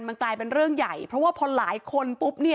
มันกลายเป็นเรื่องใหญ่เพราะว่าพอหลายคนปุ๊บเนี่ย